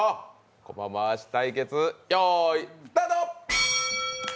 コマ回し対決、スタート！